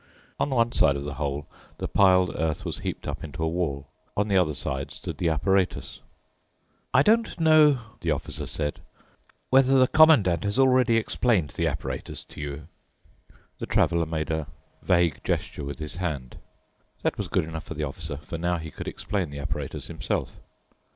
On one side of the hole the piled earth was heaped up into a wall; on the other side stood the apparatus. "I don't know," the officer said, "whether the Commandant has already explained the apparatus to you." The Traveler made an vague gesture with his hand. That was good enough for the Officer, for now he could explain the apparatus himself.